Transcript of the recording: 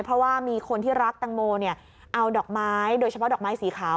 เพราะว่ามีคนที่รักแตงโมเนี่ยเอาดอกไม้โดยเฉพาะดอกไม้สีขาว